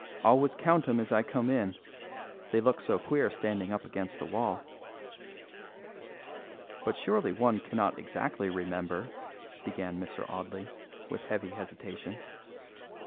"Always count 'em as I come in; they look so queer standing up against the wall." "But surely one cannot exactly remember," began Mr. Audley, with heavy hesitation.